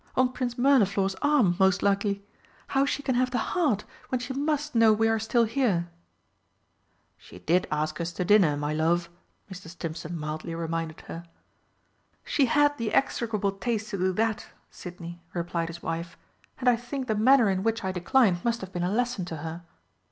On Prince Mirliflor's arm, most likely! How she can have the heart when she must know we are still here!" "She did ask us to dinner, my love," Mr. Stimpson mildly reminded her. "She had the execrable taste to do that, Sidney," replied his wife, "and I think the manner in which I declined must have been a lesson to her....